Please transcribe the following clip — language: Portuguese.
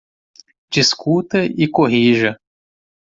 Discuta e corrija